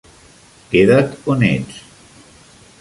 Queda't on ets.